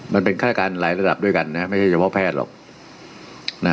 มันเป็นฆาตการหลายระดับด้วยกันนะไม่ใช่เฉพาะแพทย์หรอก